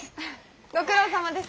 ご苦労さまです。